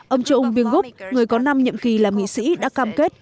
ông cho ung biên gúc người có năm nhậm kỳ là nghị sĩ đã cam kết